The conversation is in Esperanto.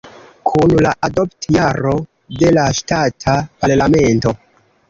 Kun la adopt-jaro de la ŝtata parlamento.